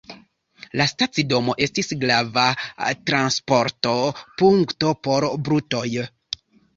La stacidomo estis grava transporto-punkto por brutoj.